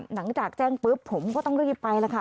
หลังจากแจ้งปุ๊บผมก็ต้องรีบไปแล้วค่ะ